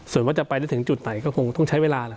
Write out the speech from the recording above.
ส่วนว่าจะไปได้ถึงจุดไหนก็คงต้องใช้เวลาล่ะ